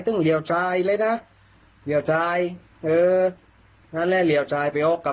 ต้องเหลี่ยวทรายเลยนะเออนัดเล่นเหลี่ยวทรายไปให้เอา